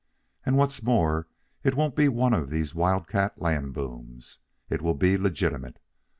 And what's more it won't be one of these wild cat land booms. It will be legitimate.